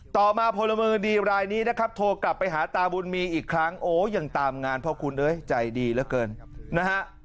ต่อมาพลเมืองดีรายนี้นะครับโทรกลับไปหาตาบุญมีอีกครั้งโอ้ยังตามงานเพราะคุณเอ้ยใจดีเหลือเกินนะฮะ